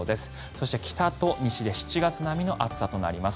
そして、北と西で７月並みの暑さとなります。